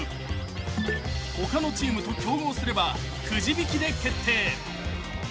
［他のチームと競合すればくじ引きで決定］